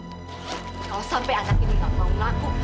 kalau sampai anak ini gak mau ngaku